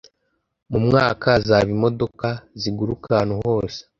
Mu mwaka , hazaba imodoka ziguruka ahantu hose.